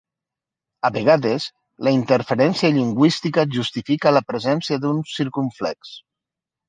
A vegades, la interferència lingüística justifica la presència d'un circumflex.